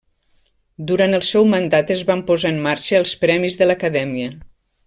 Durant el seu mandat es van posar en marxa els Premis de l'Acadèmia.